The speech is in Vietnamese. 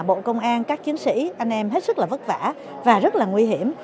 bộ công an các chiến sĩ anh em hết sức là vất vả và rất là nguy hiểm